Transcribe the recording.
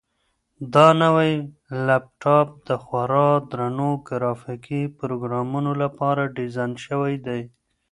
دا نوی لپټاپ د خورا درنو ګرافیکي پروګرامونو لپاره ډیزاین شوی دی.